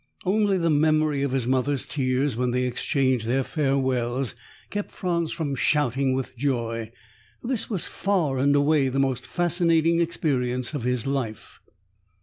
Only the memory of his mother's tears when they exchanged their farewells kept Franz from shouting with joy. This was far and away the most fascinating experience of his life.